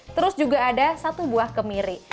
terus juga ada satu buah kemiri